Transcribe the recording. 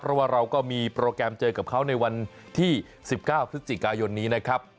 เพราะว่าเราก็มีโปรแกรมเจอกับเขาในวันที่๑๙พฤศจิกายนนี้นะครับ